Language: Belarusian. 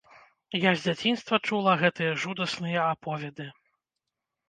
Я з дзяцінства чула гэтыя жудасныя аповеды.